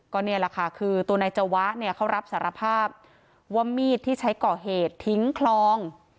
ก็นี่แหละค่ะคือตัวนายจวะเนี่ยเขารับสารภาพว่ามีดที่ใช้ก่อเหตุทิ้งคลอง